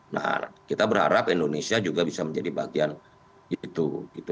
nah kita berharap indonesia juga bisa menjadi bagian itu